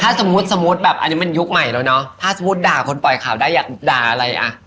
ถ้าสมมุติสมมุติแบบอันนี้มันยุคใหม่แล้วเนอะถ้าสมมุติด่าคนปล่อยข่าวได้อยากด่าอะไรอ่ะ